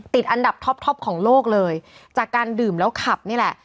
ติดอันดับท็อปท็อปของโลกเลยจากการดื่มแล้วขับนี่แหละ